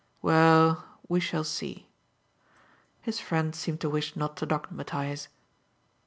"Well, we shall see." His friend seemed to wish not to dogmatise.